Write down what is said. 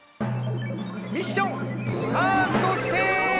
ミッションファーストステージ。